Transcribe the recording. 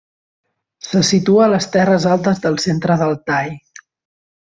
Se situa a les terres altes del centre d'Altai.